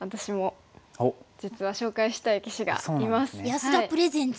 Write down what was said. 安田プレゼンツ。